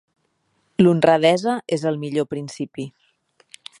L'honradesa és el millor principi.